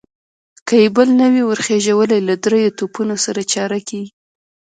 که يې بل نه وي ور خېژولی، له درېيو توپونو سره چاره کېږي.